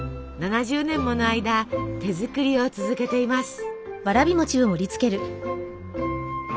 ７０年もの間手作りを続けています。